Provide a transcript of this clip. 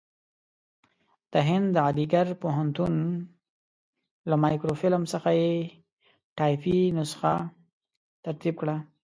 د هند د علیګړ پوهنتون له مایکروفیلم څخه یې ټایپي نسخه ترتیب کړه.